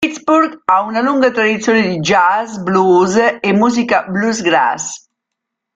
Pittsburgh ha una lunga tradizione di jazz, blues e musica bluegrass.